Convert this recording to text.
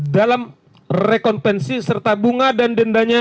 dalam rekonvensi serta bunga dan dendanya